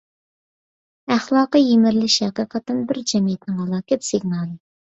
ئەخلاقىي يىمىرىلىش ھەقىقەتەن بىر جەمئىيەتنىڭ ھالاكەت سىگنالى.